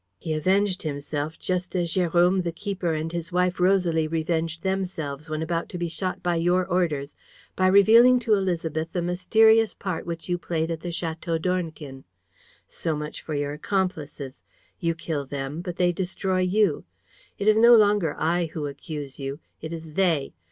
He avenged himself just as Jérôme the keeper and his wife Rosalie revenged themselves, when about to be shot by your orders, by revealing to Élisabeth the mysterious part which you played at the Château d'Ornequin. So much for your accomplices! You kill them, but they destroy you. It is no longer I who accuse you, it is they.